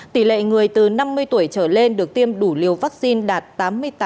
tỷ lệ người từ năm mươi tuổi trở lên được tiêm đủ liều vaccine đạt tám mươi tám